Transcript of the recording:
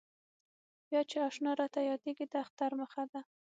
بیا چې اشنا راته یادېږي د اختر مخه ده.